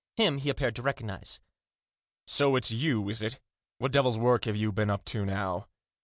Him he appeared to recognise. " So it's you, is it ? What devil's work have you been up to now